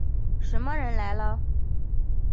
什么人来了？